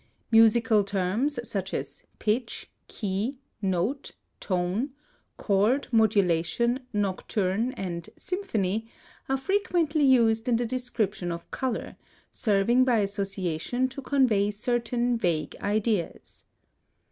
Musical terms, such as "pitch, key, note, tone, chord, modulation, nocturne, and symphony," are frequently used in the description of color, serving by association to convey certain vague ideas.